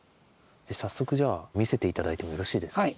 早速じゃあ見せて頂いてもよろしいですか？